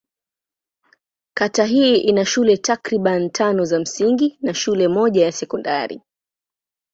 Kata hii ina shule takriban tano za msingi na shule moja ya sekondari.